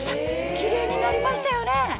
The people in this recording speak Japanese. キレイになりましたよね